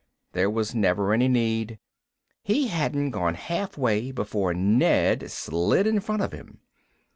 There was never any need. He hadn't gone halfway before Ned slid in front of him.